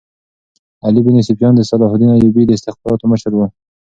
علي بن سفیان د صلاح الدین ایوبي د استخباراتو مشر وو